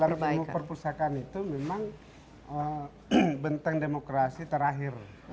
jadi di dalam ilmu perpustakaan itu memang benteng demokrasi terakhir